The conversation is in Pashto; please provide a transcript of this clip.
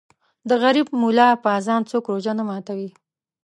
د غریب مولا په اذان څوک روژه نه ماتوي